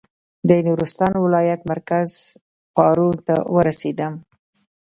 د نورستان ولایت مرکز پارون ته ورسېدم.